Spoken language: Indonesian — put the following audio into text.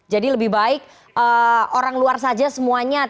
jadi lebih baik orang luar saja semuanya tidak memiliki kondisi